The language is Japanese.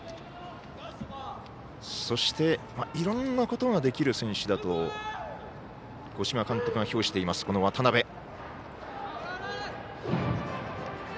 そしていろんなことができる選手だと五島監督が評している渡辺。